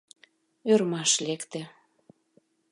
Ӧрмаш лекте.